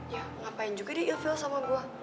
ya ngapain juga dia ilfil sama gue